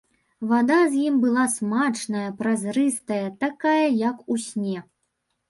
Вада з ім была смачная, празрыстая, такая як у сне.